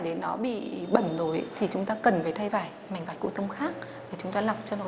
để nó bị bẩn rồi thì chúng ta cần phải thay vải mình vải cốtông khác thì chúng ta lọc cho nó